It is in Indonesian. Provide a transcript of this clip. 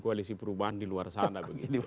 koalisi perubahan di luar sana